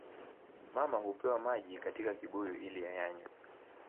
Mama hupewa maji katika kibuyu ili ayanywe